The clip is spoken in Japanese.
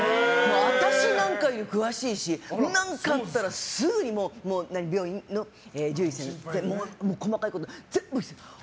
私なんかより詳しいし何かあったらすぐに獣医さんに細かいことを聞いて。